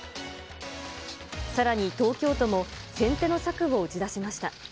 さらに、東京都も先手の策を打ち出しました。